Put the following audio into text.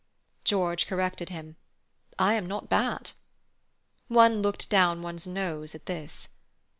George corrected him: "I am not bad." One looked down one's nose at this.